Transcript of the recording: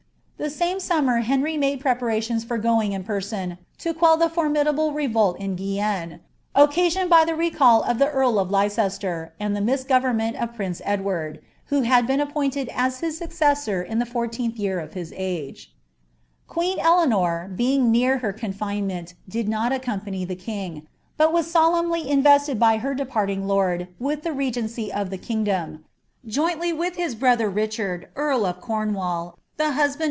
The same summer Henry made preparations for going in person, to quell the formidable revolt in Guienne, occasioned by the recall of the earl of Leicester, and the misgovemment of prince Edward, who had been appointed as his successor in the fourteenth year of his age. i^een Eleanor, being near her confinement, did not accompany the king, but was solemnly invested by her departing lord with the regency * F<8il«trm, vol. L ■ M. Parii. " Hist, of the Abbey of St. iLVbixi v 64 ANOa OF PKOVBNCB. n{ ihe kingdom, jrtinily with his brother Rtchanj. eaH of Comwall, the huslmnt!